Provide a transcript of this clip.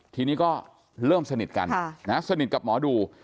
ทีนี้ก็เริ่มสนิทกันสนิทกับหมอดู